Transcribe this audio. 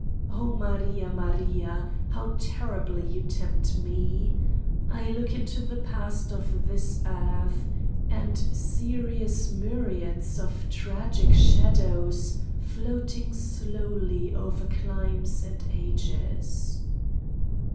Oh, Maria, Maria, how terribly you tempt Me ! I look into the past of this earth and serious myriads of tragic shadows floating slowly over climes and ages!